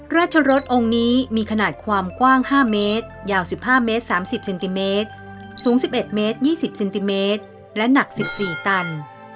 รสองค์นี้มีขนาดความกว้าง๕เมตรยาว๑๕เมตร๓๐เซนติเมตรสูง๑๑เมตร๒๐เซนติเมตรและหนัก๑๔ตัน